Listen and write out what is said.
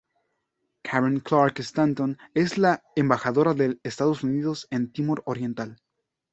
Karen Clark Stanton es la Embajadora de los Estados Unidos en Timor Oriental.